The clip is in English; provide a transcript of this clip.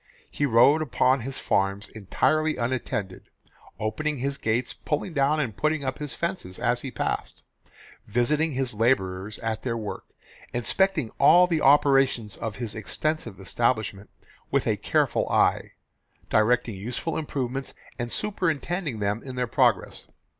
He rode upon his farms entirely unattended, opening his gates, pulling down and putting up his fences as he passed, visiting his labourers at their work, inspecting all the operations of his extensive establishment with a careful eye, directing useful improvements and superintending them in their progress.